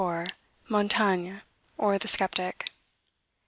IV. MONTAIGNE; OR, THE SKEPTIC.